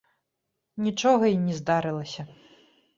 Нічога і не здарылася.